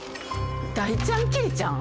大ちゃん桐ちゃん？